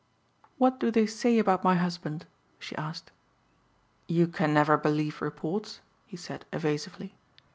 "What do they say about my husband?" she asked. "You can never believe reports," he said evasively.